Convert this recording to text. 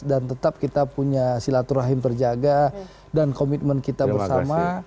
tetap kita punya silaturahim terjaga dan komitmen kita bersama